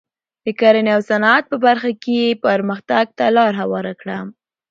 د کرنې او صنعت په برخه کې یې پرمختګ ته لار هواره کړه.